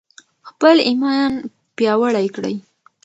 خپل ایمان پیاوړی کړئ.